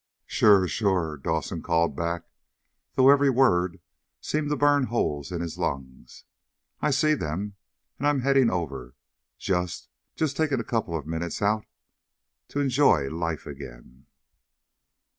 "Sure, sure!" Dawson called back, though every word seemed to burn holes in his lungs. "I see them, and I'm heading over. Just just taking a couple of minutes out to enjoy life again."